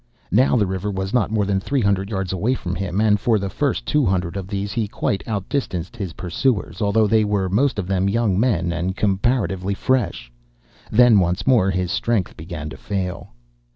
Now the river was not more than three hundred yards away from him, and for the first two hundred of these he quite outdistanced his pursuers, although they were most of them young men and comparatively fresh. Then once more his strength began to fail.